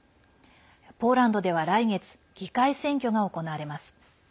ポーランドでは来月議会選挙が行われます。